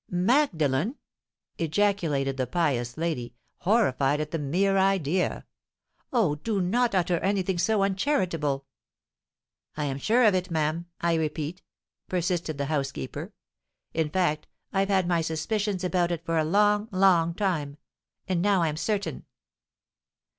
"Magdalen!" ejaculated the pious lady, horrified at the mere idea. "Oh! do not utter any thing so uncharitable!" "I am sure of it, ma'am, I repeat," persisted the housekeeper. "In fact I've had my suspicions about it for a long—long time; and now I'm certain."